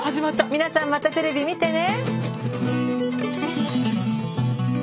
皆さんまたテレビ見てね。